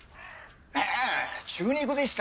いえ中肉でした。